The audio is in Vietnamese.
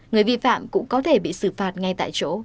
người vi phạm cũng có thể bị xử phạt ngay tại chỗ